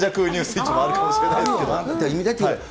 イッチもあるかもしれないですけど。